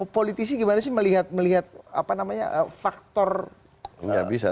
politisi gimana sih melihat faktor lapangnya hitam